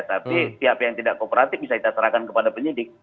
tapi siapa yang tidak kooperatif bisa kita serahkan kepada penyidik